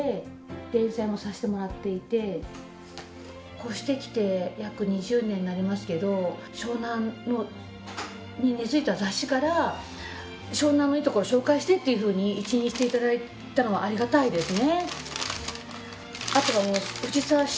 越してきて約２０年になりますけど湘南に根付いた雑誌から湘南のいいところを紹介してって一任していただいたのはありがたいですね。